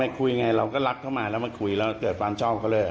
คุยยังไงเราก็รักเข้ามาแล้วมาคุยแล้วเกิดความชอบเขาเลย